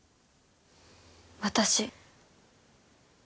私。